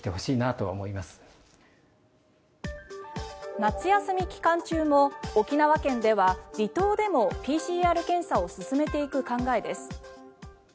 夏休み期間中も沖縄県では離島でもＰＣＲ検査を進めていく考えです。